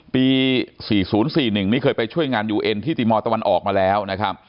ปี๔๐๔๑นี่เคยไปช่วยงานยูเอ็นที่ติมตะวันออกมาแล้วนะครับ